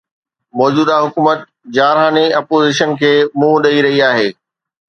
موجوده حڪومت جارحاڻي اپوزيشن کي منهن ڏئي رهي آهي.